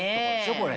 これ。